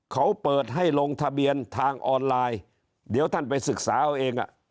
เขาเปิดให้ลงทะเบียนทางออนไลน์เดี๋ยวท่านไปศึกษาเอาเองอ่ะ